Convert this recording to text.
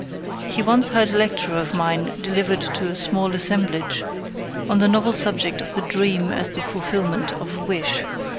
He once heard a lecture of mine delivered to a small assemblage, on the novel subject of the dream as the fulfillment of a wish.